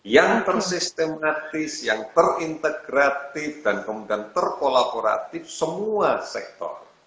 yang tersistematis yang terintegratif dan kemudian terkolaboratif semua sektor